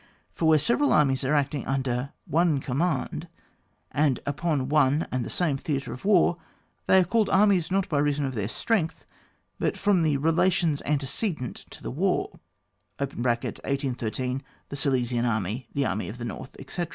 For where several Armies are acting under one command, and upon one and the same Theatre of War, they are called Armies, not by reason of their strength, but from the relations antecedent to the war (1813, the Silesian Army, the Army of the North, etc.)